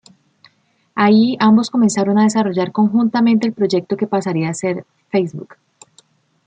Ahí ambos comenzaron a desarrollar conjuntamente el proyecto que pasaría a ser Facebook.